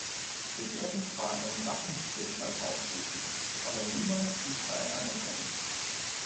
Wir werden zwar einen Waffenstillstand ausrufen, aber niemals Israel anerkennen.